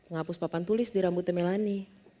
ngapus papan tulis di rambutnya melani